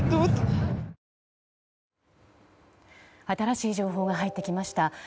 新しい情報が入ってきました。